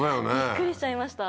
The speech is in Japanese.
びっくりしちゃいました。